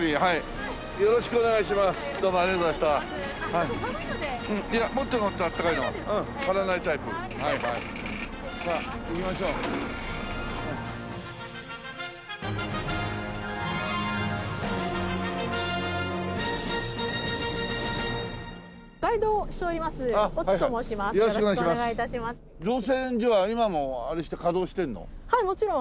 はいもちろん。